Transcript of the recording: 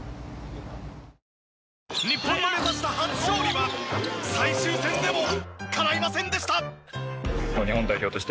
日本の目指した初勝利は最終戦でもかないませんでした！